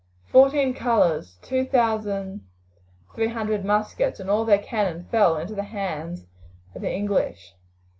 Fourteen colours, two thousand three hundred muskets, and all their cannon fell into the hands of the English.